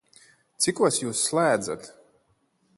Cikos Jūs slēdzat?